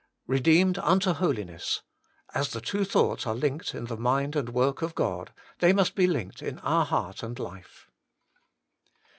Kedeemed unto holiness : as the two thoughts are linked in the mind and work of God, they must be linked in our heart and life.